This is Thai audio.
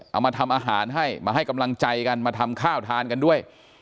เอามาทำอาหารให้มาให้กำลังใจกันมาทำข้าวทานกันด้วย